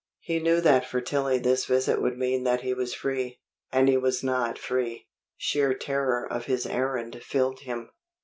He knew that for Tillie this visit would mean that he was free and he was not free. Sheer terror of his errand filled him.